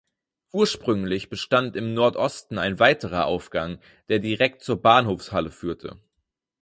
Ursprünglich bestand im Nordosten ein weiterer Aufgang, der direkt zur Bahnhofshalle führte.